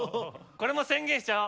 これも宣言しちゃおう。